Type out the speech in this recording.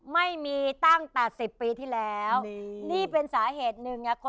ไม่ระวังแต่ลูกชาย